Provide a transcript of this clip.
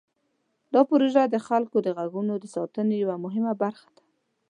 دا پروژه د خلکو د غږونو د ساتنې یوه مهمه برخه ده.